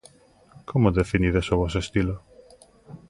Como definides o voso estilo?